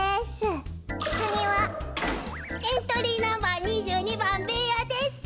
エントリーナンバー２２ばんベーヤです。